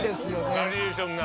バリエーションが。